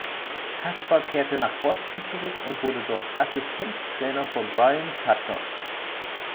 Kasper kehrte nach Boston zurück und wurde dort Assistenztrainer von Brian Sutter.